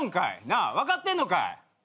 なあ分かってんのかい。